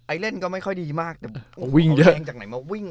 ไอเล่นก็ไม่ค่อยดีมากแต่วิ่งเยอะ